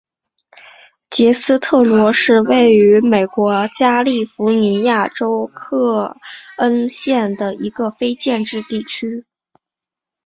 杰斯特罗是位于美国加利福尼亚州克恩县的一个非建制地区。